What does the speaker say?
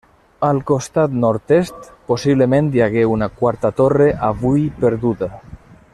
Al costat nord-est possiblement hi hagué una quarta torre, avui perduda.